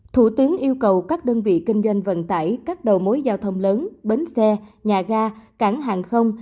thủ tướng yêu cầu các đơn vị kinh doanh vận tải các đầu mối giao thông lớn bến xe nhà ga cảng hàng không